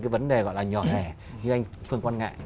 cái vấn đề gọi là nhỏ lẻ như anh phương quan ngại